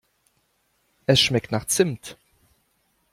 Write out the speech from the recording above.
Es schmeckt nach Zimt.